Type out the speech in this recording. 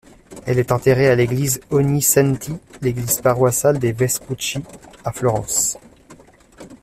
Elle est enterrée à l'église Ognissanti, l'église paroissiale des Vespucci, à Florence.